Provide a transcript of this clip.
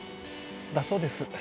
だそうです。